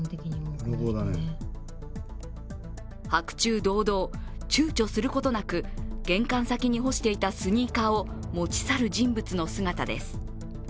白昼堂々、ちゅうちょすることなく玄関先に干していたスニーカーを持ち去る人物の姿です。